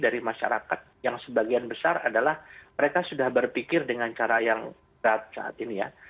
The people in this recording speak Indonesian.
jadi saya rasa yang paling penting dari masyarakat yang sebagian besar adalah mereka sudah berpikir dengan cara yang saat ini ya